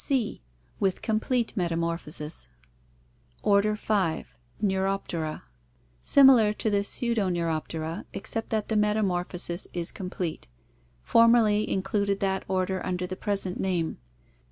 C. With complete metamorphosis Order 5. Neuroptera. Similar to the Pseudoneuroptera, except that the metamorphosis is complete. Formerly included that order under the present name.